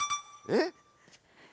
えっ。